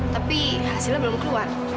tapi hasilnya belum keluar